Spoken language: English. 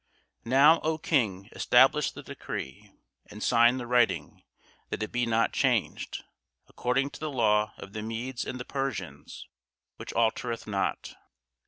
Now, O King, establish the decree, and sign the writing, that it be not changed, according to the law of the Medes and Persians, which altereth not.